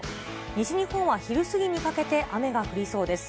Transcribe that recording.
西日本は昼過ぎにかけて雨が降りそうです。